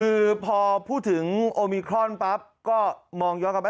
คือพอพูดถึงโอมิครอนปั๊บก็มองย้อนกลับไป